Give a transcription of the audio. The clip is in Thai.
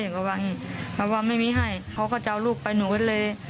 ก็ว่าไม่มีให้เขาก็จะเอาลูกไปหนูไว้เลย